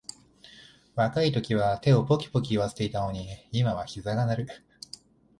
若いときは手をポキポキいわせていたのに、今はひざが鳴る